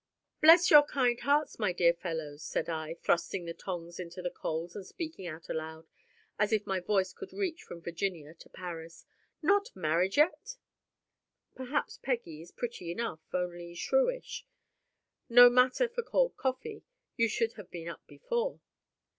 "Bless your kind hearts, my dear fellows," said I, thrusting the tongs into the coals and speaking out loud, as if my voice could reach from Virginia to Paris, "not married yet!" Perhaps Peggy is pretty enough, only shrewish. No matter for cold coffee; you should have been up before.